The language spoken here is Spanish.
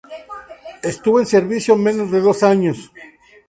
Estuvo en servicio menos de dos años.